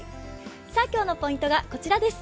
今日のポイントがこちらです。